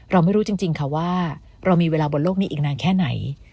เราไม่รู้จริงค่ะว่าเรามีเวลาบนโลกนี้อีกนานแค่ไหน